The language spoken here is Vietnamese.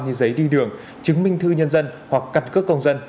như giấy đi đường chứng minh thư nhân dân hoặc căn cước công dân